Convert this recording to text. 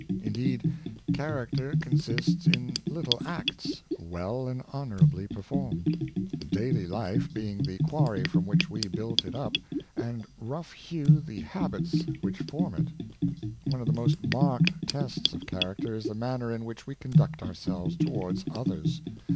In deed, character consists in little acts, well and honor ably performed ; daily life being the quarry from which we build it up, and rough hew the habits which forni 608 Morals and Alanners, it. One of the most marked tests of character is the manner in which we conduct ourselves towaids others.